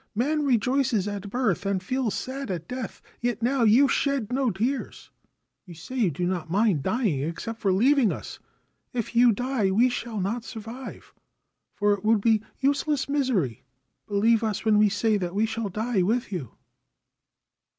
Man rejoices at birth, and feels sad at death ; yet now you shed no tears. You say you do not mind dying except for leaving us. If you die we shall not survive, for it would be useless misery. Believe us when we say that we shall die with you.'